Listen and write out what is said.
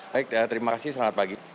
baik terima kasih selamat pagi